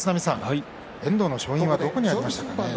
遠藤の勝因はどこにありましたか。